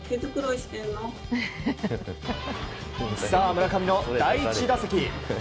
村上の第１打席。